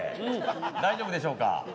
大丈夫でしょうか。